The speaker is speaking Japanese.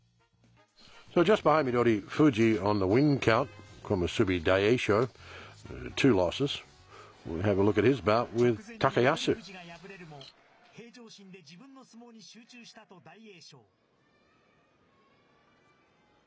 直前に翠富士が敗れるも、平常心で自分の相撲に集中したと大栄翔。